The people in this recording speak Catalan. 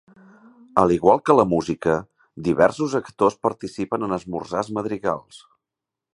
Al igual que la música, diversos actors participen en esmorzars madrigals.